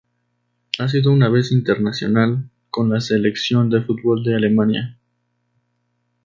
Ha sido una vez internacional con la selección de fútbol de Alemania.